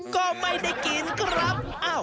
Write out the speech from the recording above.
ก็ไม่ได้กินครับ